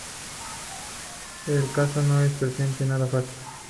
El caso no se presenta nada fácil.